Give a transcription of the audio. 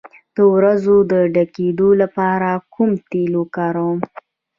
د وروځو د ډکیدو لپاره کوم تېل وکاروم؟